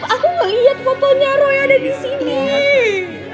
aku melihat fotonya roy ada di sini